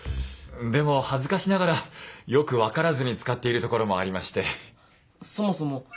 でも恥ずかしながらよく分からずに使っているところもありまして。